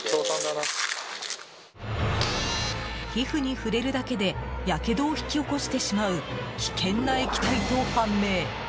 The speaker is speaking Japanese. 皮膚に触れるだけでやけどを引き起こしてしまう危険な液体と判明。